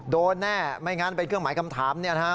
โดนแน่ไม่งั้นเป็นเครื่องหมายคำถามเนี่ยนะฮะ